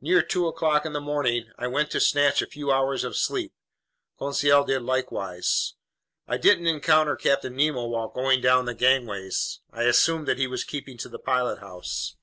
Near two o'clock in the morning, I went to snatch a few hours of sleep. Conseil did likewise. I didn't encounter Captain Nemo while going down the gangways. I assumed that he was keeping to the pilothouse.